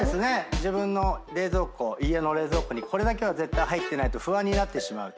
自分の冷蔵庫家の冷蔵庫にこれだけは絶対入ってないと不安になる。